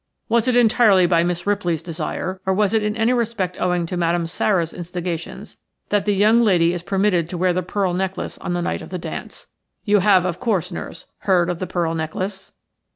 Was it entirely by Miss Ripley's desire, or was it in any respect owing to Madame Sara's instigations, that the young lady is permitted to wear the pearl necklace on the night of the dance? You have, of course, nurse, heard of the pearl necklace?"